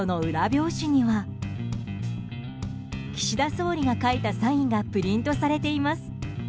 表紙には岸田総理が書いたサインがプリントされています。